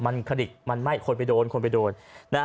มันคลิกมันไหม้คนไปโดนคนไปโดน